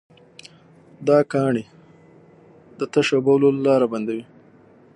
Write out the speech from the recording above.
دا کاڼي د تشو بولو لاره بندوي.